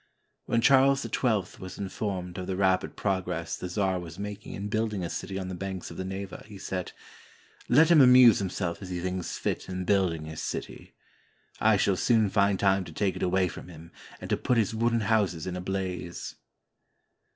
When Charles XII was informed of the rapid progress the czar was making in building a city on the banks of the Neva, he said: — "Let him amuse himself as he thinks fit in building his city. I shall soon find time to take it away from him and to put his wooden houses in a blaze."